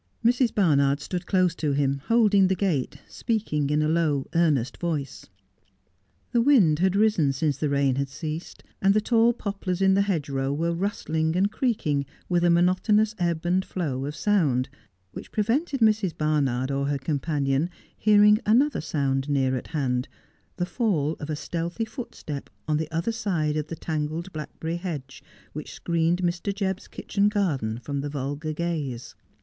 Mrs. Barnard stood close to him, holding the gate, speaking in a low, earnest voice. The wind had risen since the rain had ceased, and tbe tall poplars in the hedgerow were rustling and creaking with a monotonous ebb and flow of sound, which prevented Mrs. Barnard or her companion hearing another sound near at hand, the fall of a stealthy footstep on the other side of the tangled blackberry hedge which screened Mr. Jebb's kitchen garden from the vulgar gaze.